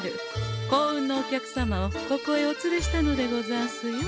幸運のお客様をここへお連れしたのでござんすよ。